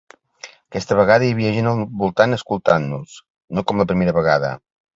Aquesta vegada hi havia gent al voltant escoltant-nos, no com la primera vegada.